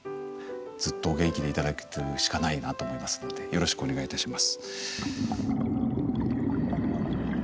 ずっとお元気でいて頂くしかないなと思いますのでよろしくお願いいたします。